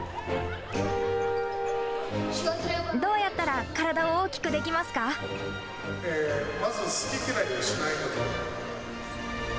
どうやったら体を大きくできまず好き嫌いをしないこと。